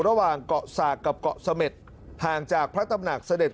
ระหว่างเกาะสากกับเกาะเสม็ดห่างจากพระตำหนักเสด็จ